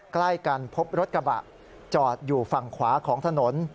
ใกล้กันพบรถกระบะจอดอยู่ฝั่งขวาของถนน